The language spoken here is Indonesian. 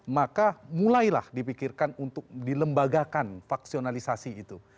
maka mulailah dipikirkan untuk dilembagakan faksionalisasi itu